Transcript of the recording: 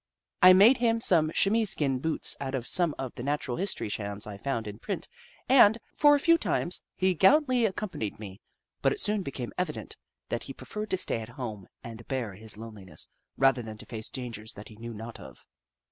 I made him some chamois skin boots out of some of the Natural History Shams I found in print, and, for a few times, he gallantly accompanied me, but it soon became evident that he pre ferred to stay at home and bear his loneliness, rather than to face dangers that he knew not of.